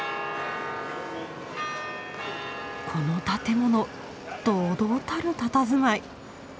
この建物堂々たるたたずまい。